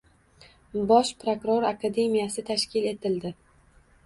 Bosh prokuror akademiyasi tashkil etildi.